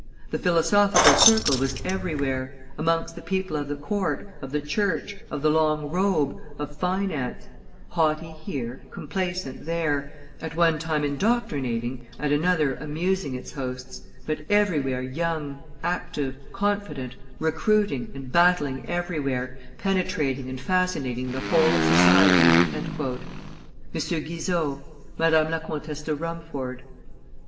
The philosophical circle was everywhere, amongst the people of the court, of the church, of the long robe, of finance; haughty here, complaisant there, at one time indoctrinating, at another amusing its hosts, but everywhere young, active, confident, recruiting and battling everywhere, penetrating and fascinating the whole of society " [M. Guizot, Madame la comtesse de Rumford].